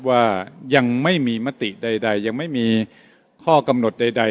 ว่ายังไม่มีมติใดยังไม่มีข้อกำหนดใด